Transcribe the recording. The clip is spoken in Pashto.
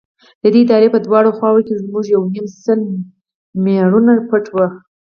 د درې په دواړو خواوو کښې زموږ يو يونيم سل مېړونه پټ وو.